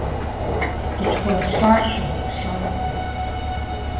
- Къысхуэфщӏар сщыгъупщэнкъым.